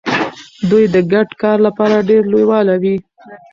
دوی د ګډ کار لپاره ډیر لیواله وي.